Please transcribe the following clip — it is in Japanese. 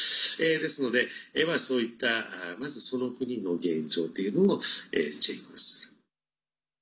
ですので、そういったまず、その国の現状っていうのをチェックする。